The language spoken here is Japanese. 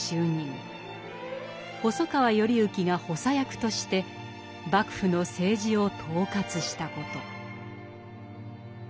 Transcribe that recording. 細川頼之が補佐役として幕府の政治を統轄したこと。